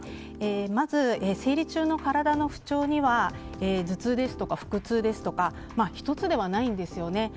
まず生理中の体の不調には頭痛ですとか腹痛ですとか１つではないんですよね。